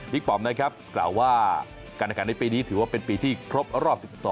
วิกปอมหน้าครับกล่าวว่าการอาการในปีนี้ถือว่าเป็นปีที่พรบรอบ๑๒